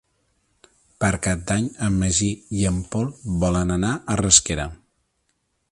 Per Cap d'Any en Magí i en Pol volen anar a Rasquera.